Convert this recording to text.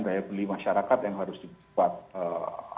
daya beli masyarakat yang harus dibuat